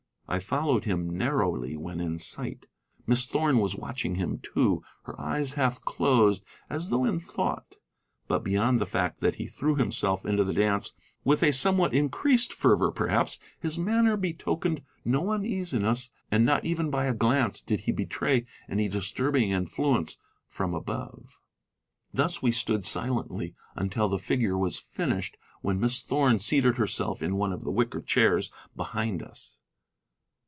I followed him narrowly when in sight. Miss Thorn was watching him, too, her eyes half closed, as though in thought. But beyond the fact that he threw himself into the dance with a somewhat increased fervor, perhaps, his manner betokened no uneasiness, and not even by a glance did he betray any disturbing influence from above. Thus we stood silently until the figure was finished, when Miss Thorn seated herself in one of the wicker chairs behind us.